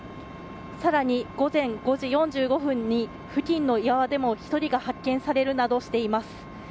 さらに午前５時４５分に付近の岩場でも１人が発見されるなどしています。